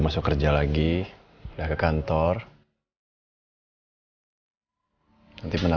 vou naik ke tempat gila